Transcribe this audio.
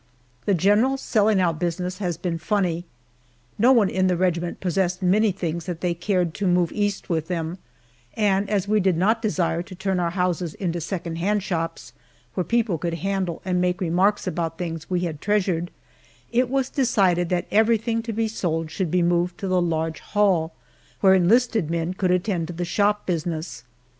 The general selling out business has been funny. No one in the regiment possessed many things that they cared to move East with them, and as we did not desire to turn our houses into second hand shops, where people could handle and make remarks about things we had treasured, it was decided that everything to be sold should be moved to the large hall, where enlisted men could attend to the shop business.